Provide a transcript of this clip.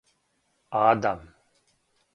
Адам